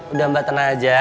udah mbak tenang aja